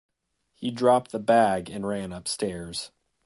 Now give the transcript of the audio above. He dropped the bag and ran upstairs.